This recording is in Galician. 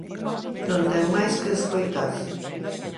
Non ten máis que escoitar.